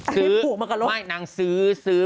ซื้อไม่นางซื้อซื้อ